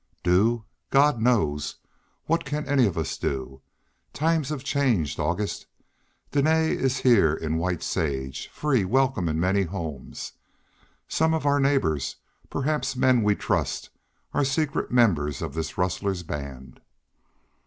"Do? God knows. What can any of us do? Times have changed, August. Dene is here in White Sage, free, welcome in many homes. Some of our neighbors, perhaps men we trust, are secret members of this rustler's band."